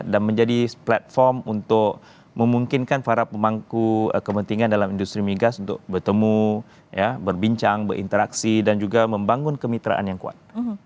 dan menjadi platform untuk memungkinkan para pemangku kepentingan dalam industri migas untuk bertemu berbincang berinteraksi dan juga membangun kemitraan yang kuat